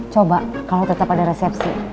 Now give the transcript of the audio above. coba kalau tetap ada resepsi